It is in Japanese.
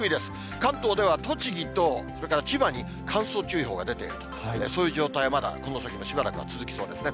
関東では栃木とそれから千葉に、乾燥注意報が出ていると、そういう状態はまだ、この先もしばらく続きそうですね。